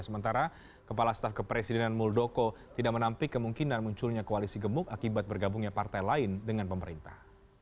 sementara kepala staf kepresidenan muldoko tidak menampik kemungkinan munculnya koalisi gemuk akibat bergabungnya partai lain dengan pemerintah